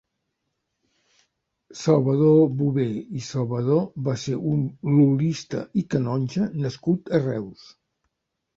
Salvador Bové i Salvador va ser un lul·lista i canonge nascut a Reus.